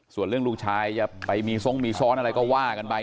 ส่วนเรื่องลูกชายจะไปมีทรงมีซ้อนอะไรก็ว่ากันไป